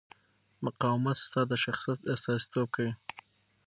مقاومت ستا د شخصیت استازیتوب کوي.